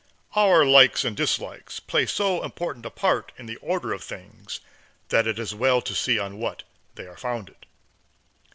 Our likes and dislikes play so important a part in the order of things that it is well to see on what they are founded.